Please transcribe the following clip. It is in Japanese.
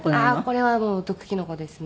これはもう毒キノコですね。